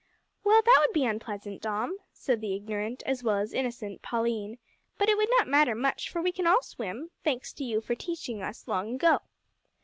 "Well, that would be unpleasant, Dom," said the ignorant, as well as innocent, Pauline, "but it would not matter much, for we can all swim thanks to you for insisting on teaching us long ago."